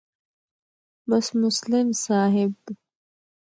بس مسلم صاحب